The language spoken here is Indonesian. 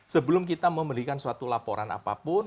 sebelum kita memberikan suatu laporan apapun